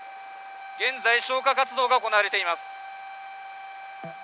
現在、消火活動が行われています。